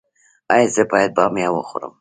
ایا زه باید بامیه وخورم؟